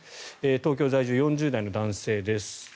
東京在住、４０代の男性です。